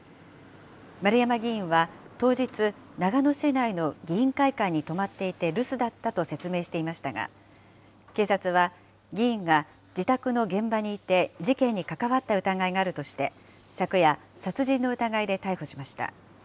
丸山ぎいんは当日、長野市内の議員会館に泊まっていて留守だったと説明していましたが、警察は、議員が自宅の現場にいて、事件に関わった疑いがあるとして、昨夜、殺人の疑いで逮捕しました。